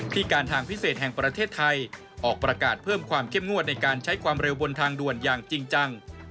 การทางพิเศษแห่งประเทศไทยออกประกาศเพิ่มความเข้มงวดในการใช้ความเร็วบนทางด่วนอย่างจริงจัง